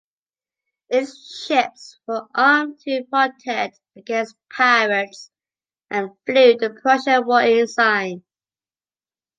Its ships were armed to protect against pirates and flew the Prussian war ensign.